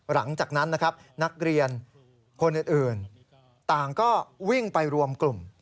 หลังจากนั้นนะครับนักเรียนคนอื่นต่างก็วิ่งไปรวมกลุ่ม